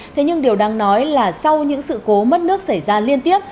thế nhưng điều đáng nói là sau những sự cố mất nước xảy ra liên tiếp